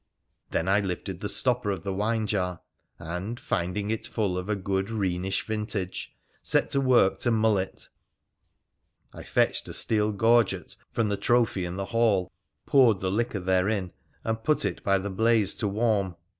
Then I lifted the stopper of the wine jar, and, finding it full of a good Rhenish vintage, set to work to mull it. I fetched a steel gorget from the trophy in the hall, poured the liquor therein, and put it by the blaze to warm.